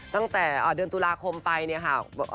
ตั้งแต่เดือนตุลาคมไปเนี่ยค่ะ